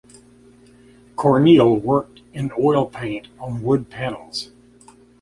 Corneille worked in oil paint on wood panels.